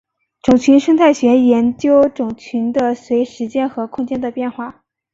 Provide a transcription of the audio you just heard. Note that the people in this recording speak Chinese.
种群生态学研究种群的随时间和空间的变化。